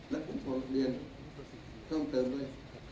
แล้วผมขอเรียนเพิ่มเติมด้วย